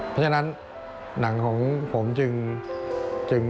เพราะฉะนั้นหนังของผมจึง